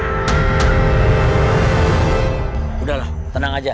plug cat belum ngasih